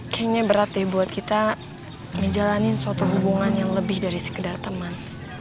kayaknya berat ya buat kita menjalani suatu hubungan yang lebih dari sekedar teman